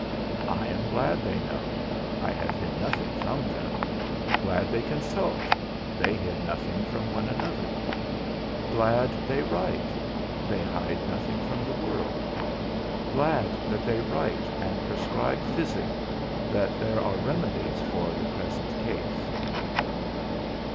I am glad they know (I have hid nothing from them), glad they consult (they hid nothing from one another), glad they write (they hide nothing from the world), glad that they write and prescribe physic, that there are remedies for the present case.